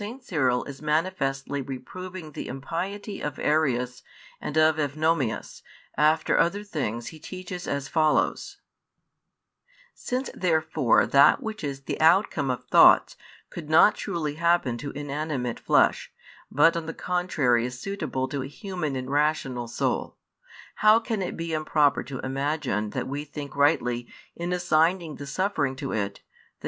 CYRIL] IS MANIFESTLY REPROVING THE IMPIETY OP ARIUS AND OF EUNOMIUS, AFTER OTHER THINGS HE TEACHES AS FOLLOWS: Since therefore that which is the outcome of thoughts could not truly happen to inanimate flesh, but on the contrary is suitable to a human and rational soul; how can it be improper to imagine that we think rightly in assigning the suffering to it [i.